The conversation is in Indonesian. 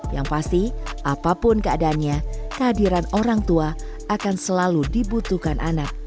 yang pasti apapun keadaannya kehadiran orang tua akan selalu dibutuhkan anak